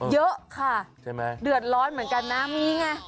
เยอะค่ะเดือดร้อนเหมือนกันนะมีอย่างนี้ไง